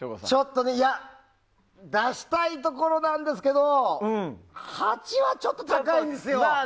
出したいところなんですけど８はちょっと高いんですよ。